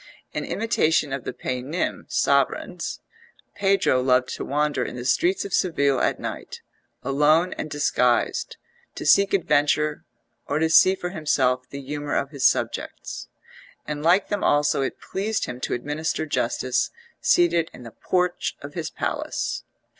In imitation of the Paynim sovereigns Pedro loved to wander in the streets of Seville at night, alone and disguised, to seek adventure or to see for himself the humour of his subjects; and like them also it pleased him to administer justice seated in the porch of his palace.